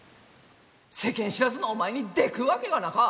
世間知らずのお前にでくっわけがなか！